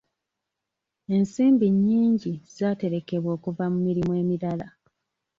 Ensimbi nnyingi zaaterekebwa okuva mu mirimu emirala.